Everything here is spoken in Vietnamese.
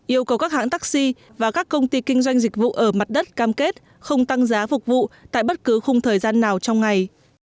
yêu cầu các hãng taxi và các công ty kinh doanh dịch vụ ở mặt đất cam kết không tăng giá phục vụ tại bất cứ khung thời gian nào trong ngày